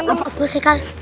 apaan sih kak